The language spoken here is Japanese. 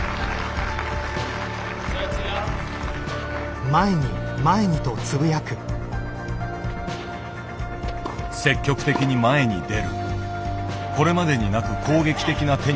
積極的に前に出るこれまでになく攻撃的なテニスだ。